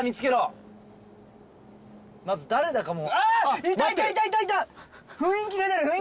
まず誰だかも。